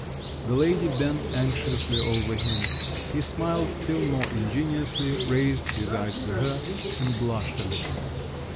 The lady bent anxiously over him. He smiled still more ingenuously, raised his eyes to her, and blushed a little.